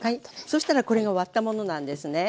そしたらこれが割ったものなんですね。